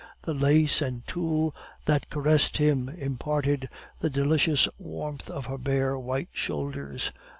The lace and tulle that caressed him imparted the delicious warmth of her bare, white shoulders.